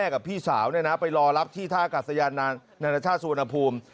กับพี่สาวนะครับไปรอรับที่ท่ากัสยานนาชาสุนภูมิ